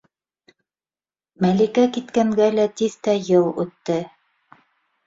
Мәликә киткәнгә лә тиҫтә йыл үтте.